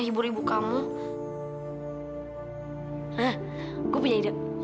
ibu beruntung ibu punya kalian